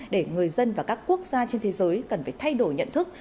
để người dân và các quốc gia trên thế giới cần phải thay đổi nhận thức